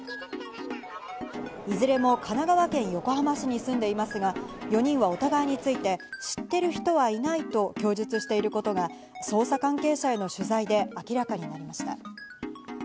いずれも神奈川県横浜市に住んでいますが、４人はお互いについて知っている人はいないと供述していることが捜査関係者への取材で明らかになりました。